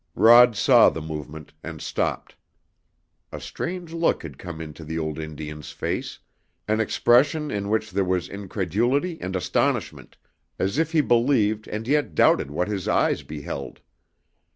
Rod saw the movement and stopped. A strange look had come into the old Indian's face, an expression in which there was incredulity and astonishment, as if he believed and yet doubted what his eyes beheld.